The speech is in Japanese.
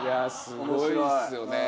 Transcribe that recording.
すごいっすよね